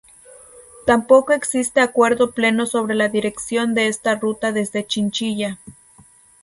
Tampoco existe acuerdo pleno sobre la dirección de esta ruta desde Chinchilla.